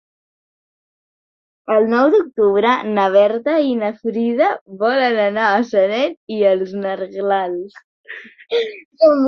El nou d'octubre na Berta i na Frida volen anar a Sanet i els Negrals.